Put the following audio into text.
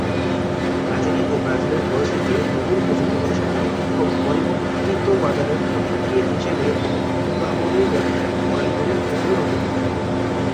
Nigeria এবং ব্রাজিলের পরিস্থিতি নতুন প্রযুক্তিগত সম্ভাবনা এবং পরিবর্তিত বাজারের প্রতিক্রিয়া হিসাবে উদ্ভাবনী ব্যবসায়িক মডেলগুলির ক্ষেত্রে নথিভুক্ত।